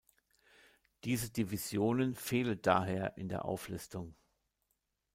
Diese Divisionen fehlen daher in der Auflistung.